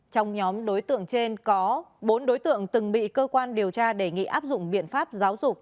trong nhóm đối tượng trên có bốn đối tượng từng bị cơ quan điều tra đề nghị áp dụng biện pháp giáo dục